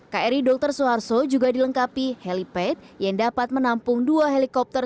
kri dr suharto juga dilengkapi helipad yang dapat menampung dua helikopter